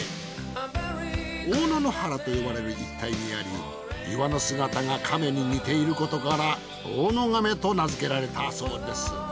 大野原と呼ばれる一帯にあり岩の姿が亀に似ていることから大野亀と名づけられたそうです。